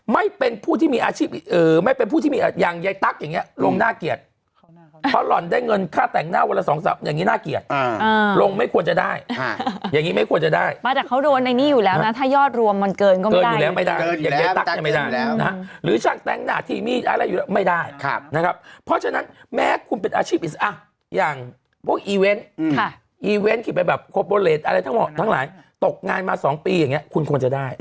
ไม่เป็นผู้ที่มีอาชีพไม่เป็นผู้ที่มีอย่างยัยตั๊กอย่างนี้ลงน่าเกลียดเพราะหล่อนได้เงินค่าแต่งหน้าวันละสองสามอย่างนี้น่าเกลียดลงไม่ควรจะได้อย่างนี้ไม่ควรจะได้มาแต่เขาโดนในนี้อยู่แล้วนะถ้ายอดรวมมันเกินก็ไม่ได้อยู่แล้ว